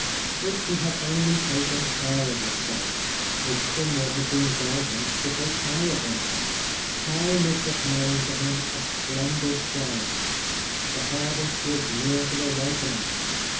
If he had only taken care of himself ; if someone had been by him to take care of him ! Time was preparing for him a splendid triumph. The harvest was near to the ripening.